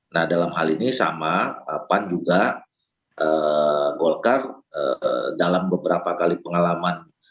nah dalam hal ini sama pan juga golkar dalam beberapa kali pengalaman